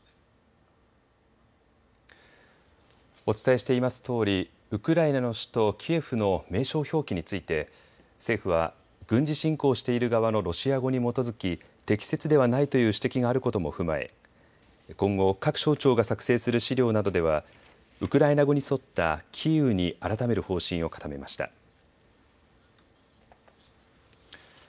お伝えしていますとおり、ウクライナの首都キエフの名称表記について政府は、軍事侵攻している側のロシア語に基づき適切ではないという指摘があることも踏まえ今後、各省庁が作成する資料などではウクライナ語に沿ったキーウに改める方針を固めました。